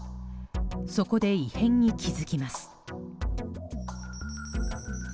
そこで異変に気付きます。